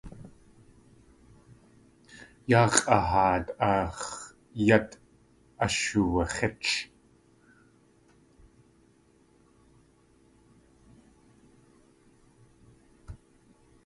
Yáa x̲ʼaháat ax̲ yát ashuwax̲ích.